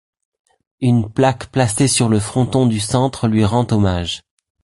Une plaque placée sur le fronton du centre lui rend hommage.